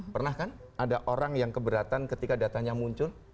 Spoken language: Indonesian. pernah kan ada orang yang keberatan ketika datanya muncul